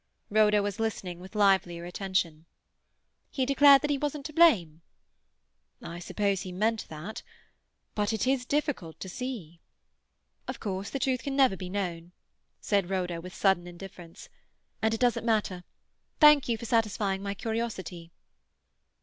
Rhoda was listening with livelier attention. "He declared that he wasn't to blame?" "I suppose he meant that. But it is difficult to see—" "Of course the truth can never be known," said Rhoda, with sudden indifference. "And it doesn't matter. Thank you for satisfying my curiosity."